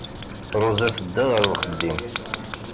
Ṛuza tedda ɣer uxeddim.